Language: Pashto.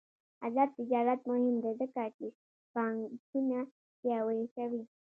آزاد تجارت مهم دی ځکه چې بانکونه پیاوړي کوي.